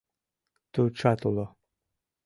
Тутшат уло.